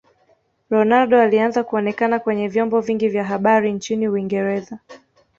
Ronaldo aliaanza kuonekana kwenye vyombo vingi vya habari nchini uingereza